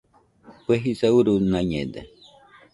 Kue jisa urunaiñede